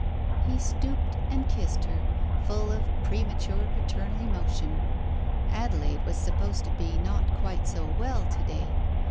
He stooped and kissed her, full of premature paternal emotion. Adelaide was supposed to be not quite so well to day.